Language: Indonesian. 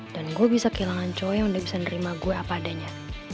dan gue bisa kehilangan cowok yang udah bisa nerima gue apadanya